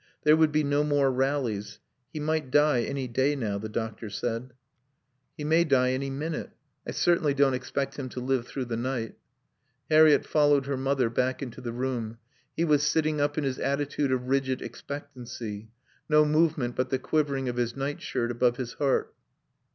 There would be no more rallies. He might die any day now, the doctor said. "He may die any minute. I certainly don't expect him to live through the night." Harriett followed her mother back into the room. He was sitting up in his attitude of rigid expectancy; no movement but the quivering of his night shirt above his heart.